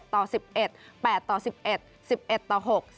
๘ต่อ๑๑๑๑ต่อ๖